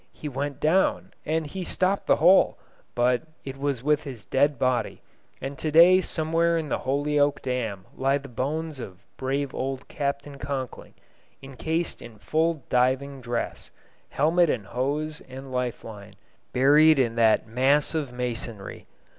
He went down, and he stopped the hole, but it was with his dead body, and to day somewhere in the Holyoke Dam lie the bones of brave old Captain Conkling, incased in full diving dress, helmet and hose and life line, buried in that mass of masonry.